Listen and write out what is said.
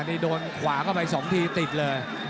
อีโดนข์ออกไป๒ทีติดเลย